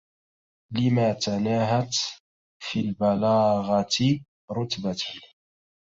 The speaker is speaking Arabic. لما تناهت في البلاغةِ ربتة